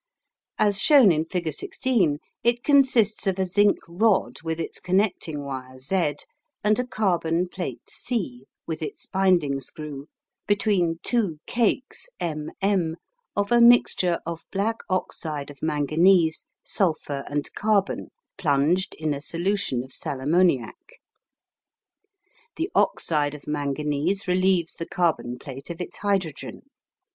As shown in figure 16, it consists of a zinc rod with its connecting wire Z, and a carbon plate C with its binding screw, between two cakes M M of a mixture of black oxide of manganese, sulphur, and carbon, plunged in a solution of sal ammoniac. The oxide of manganese relieves the carbon plate of its hydrogen.